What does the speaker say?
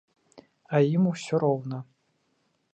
А ім усё роўна.